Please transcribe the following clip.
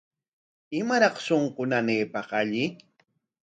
¿Imaraq shunqu nanaypaq alli?